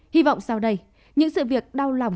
hy vọng sau đây những sự việc đau lòng